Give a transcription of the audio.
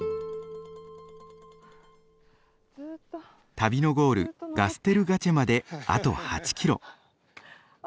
旅のゴールガステルガチェまであと８キロ。